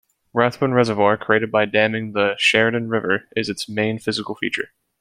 Rathbun Reservoir, created by damming the Chariton River, is its main physical feature.